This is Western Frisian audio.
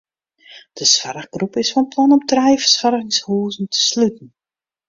De soarchgroep is fan plan om trije fersoargingshuzen te sluten.